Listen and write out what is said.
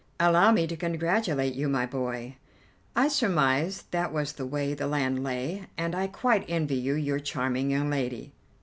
Allow me to congratulate you, my boy. I surmised that was the way the land lay, and I quite envy you your charming young lady."